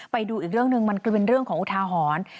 ไปดูอีกเรื่องหนึ่งมันเป็นเรื่องของอุทาหรณ์